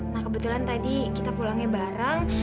nah kebetulan tadi kita pulangnya bareng